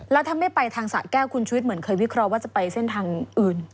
แล้วถ้าไม่ไปทางสะแก้วคุณชุวิตเหมือนเคยวิเคราะห์ว่าจะไปเส้นทางอื่น